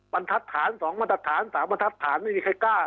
บรรทัศน์สองบรรทัศน์สามบรรทัศน์ไม่มีใครกล้า